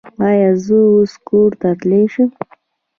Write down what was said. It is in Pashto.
ایا زه اوس کور ته تلی شم؟